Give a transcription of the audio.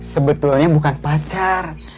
sebetulnya bukan pacar